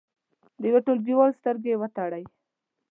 د یو ټولګیوال سترګې وتړئ.